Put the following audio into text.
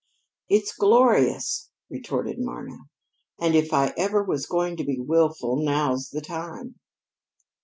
"It's glorious," retorted Marna. "And if I ever was going to be willful, now's the time."